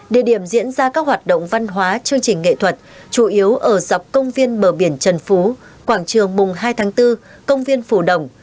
địa điểm diễn ra các hoạt động văn hóa chương trình nghệ thuật chủ yếu ở dọc công viên bờ biển trần phú quảng trường mùng hai tháng bốn công viên phủ đồng